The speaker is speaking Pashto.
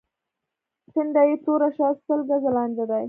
ټنډه يې تروه شوه: سل ګزه لاندې دي.